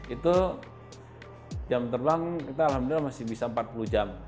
itu jam terbang kita alhamdulillah masih bisa empat puluh jam